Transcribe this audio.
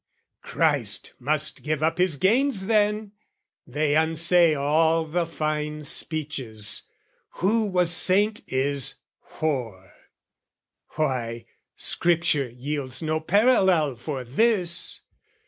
Christ must give up his gains then! They unsay All the fine speeches, who was saint is whore. Why, scripture yields no parallel for this!